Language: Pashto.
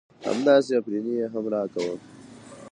همداسې افرينى يې هم را کوه .